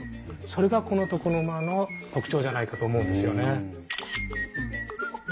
それがこの床の間の特徴じゃないかと思うんですよね。